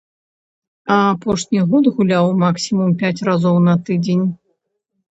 А апошні год гуляў максімум пяць разоў на тыдзень.